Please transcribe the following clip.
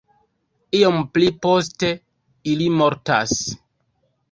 Iom pli poste ili mortas.